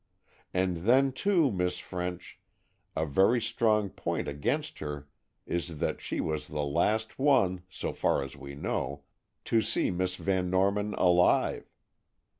And then, too, Miss French, a very strong point against her is that she was the last one, so far as we know, to see Miss Van Norman alive.